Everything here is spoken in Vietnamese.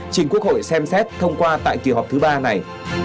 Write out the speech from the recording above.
trình quốc hội xem xét thông qua tại kỳ họp thứ ba này